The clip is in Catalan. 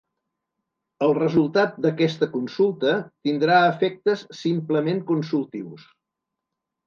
El resultat d’aquesta consulta tindrà efectes simplement consultius.